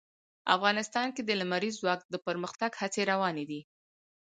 افغانستان کې د لمریز ځواک د پرمختګ هڅې روانې دي.